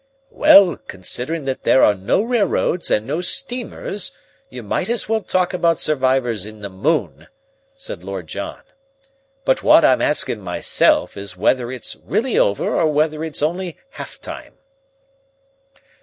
"Well, considerin' that there are no railroads and no steamers you might as well talk about survivors in the moon," said Lord John. "But what I'm askin' myself is whether it's really over or whether it's only half time."